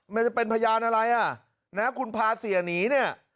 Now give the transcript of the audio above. มันจะเป็นพยานอะไรอ่ะนะคุณพาเสียหนีเนี่ย